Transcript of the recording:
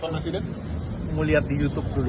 mau lihat di youtube dulu